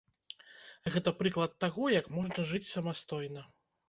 Гэта прыклад таго, як можна жыць самастойна.